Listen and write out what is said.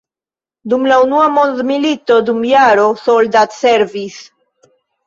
Dum la unua mondmilito dum jaro soldatservis.